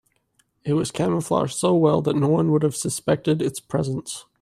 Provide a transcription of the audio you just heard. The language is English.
It was camouflaged so well that no one would have suspected its presence.